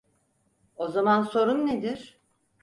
O zaman sorun nedir?